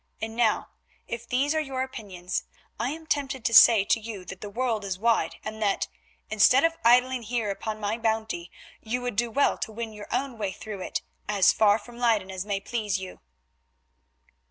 And now, if these are your opinions, I am tempted to say to you that the world is wide and that, instead of idling here upon my bounty, you would do well to win your own way through it as far from Leyden as may please you."